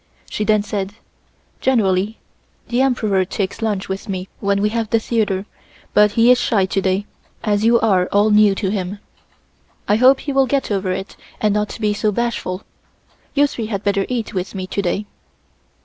She then said: "generally the Emperor takes lunch with me when we have the theatre, but he is shy to day, as you are all new to him. I hope he will get over it and not be so bashful. You three had better eat with me to day."